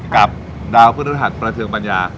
กับดาวพฤหัสประเทิงปัญญา